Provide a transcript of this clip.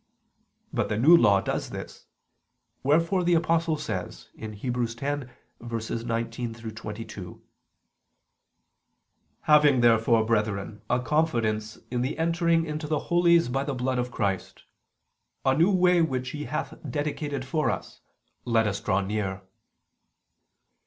But the New Law does this: wherefore the Apostle says (Heb. 10:19 22): "Having therefore, brethren, a confidence in the entering into the Holies by the blood of Christ, a new ... way which He hath dedicated for us ... let us draw near."